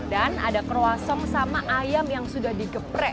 dan ada croissant sama ayam yang sudah digeprek